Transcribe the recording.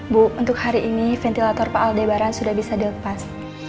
bu untuk hari ini ventilator pak aldebaran sudah bisa dilepas